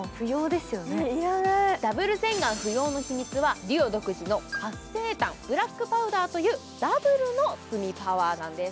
秘密は、ＤＵＯ独自の活性炭、ブラックパウダーというダブルの炭パワーなんです。